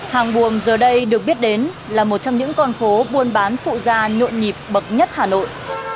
hàng buồm giờ đây được biết đến là một trong những con phố buôn bán phụ da nhộn nhịp bậc nhất hà nội